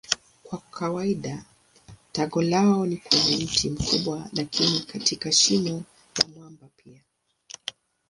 Kwa kawaida tago lao ni kwenye mti mkubwa lakini katika shimo la mwamba pia.